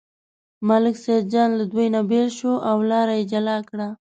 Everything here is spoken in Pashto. ملک سیدجان له دوی نه بېل شو او لاره یې جلا کړه.